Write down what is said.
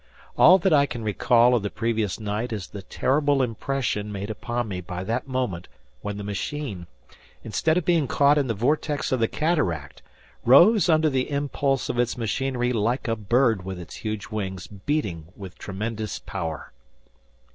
All that I can recall of the previous night is the terrible impression made upon me by that moment when the machine, instead of being caught in the vortex of the cataract rose under the impulse of its machinery like a bird with its huge wings beating with tremendous power!